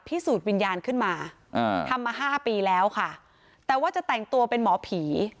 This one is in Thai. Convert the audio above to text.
สูจนวิญญาณขึ้นมาอ่าทำมาห้าปีแล้วค่ะแต่ว่าจะแต่งตัวเป็นหมอผี